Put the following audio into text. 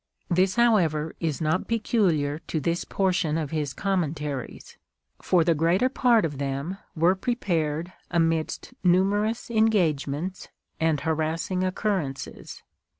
This, however, is not peculiar to this portion of his Commentaries ; for the greater part of them were prepared amidst numerous engagements and harassing occurrences.